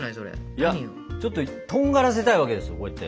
いやちょっととんがらせたいわけですよこうやって。